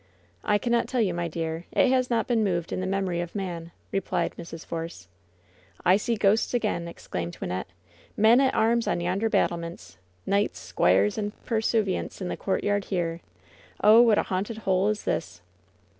"I cannot tell you, my dear. It has not been moved in the memory of man," replied Mrs. Force. "I see ghosts again !" exclaimed Wynnette — "men at arms on yonder battlements ! Knights, squires and pur suivants in the courtyard here! Oh, what a haunted hole is this